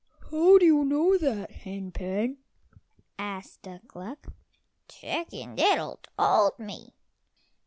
"How do you know that, Hen pen?" asked Duck luck. "Chicken diddle told me."